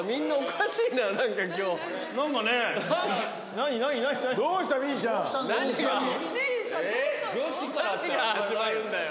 何が始まるんだよ。